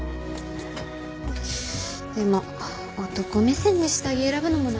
でも男目線で下着選ぶのもな。